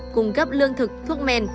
cung cấp lương thực thuốc men